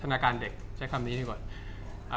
จากความไม่เข้าจันทร์ของผู้ใหญ่ของพ่อกับแม่